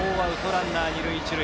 ランナー２塁１塁。